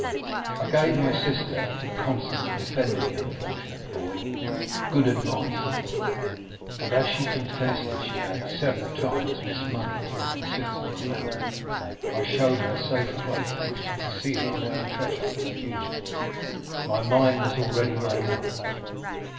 I gave my sister, who constantly defended the unfortunate boy, good advice, and as she confessed that she had several times missed money to a considerable amount, I showed her a safe place in which to conceal our little treasure for the future. My mind was already made up.